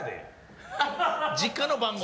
実家の番号。